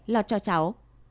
lo cho cháu